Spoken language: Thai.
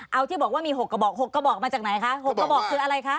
เอาที่บอกว่ามี๖กระบอก๖กระบอกมาจากไหนคะ๖กระบอกคืออะไรคะ